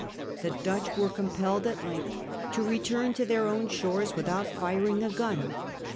The Dutch were com pelled at length to return to their own shores without firing a gun.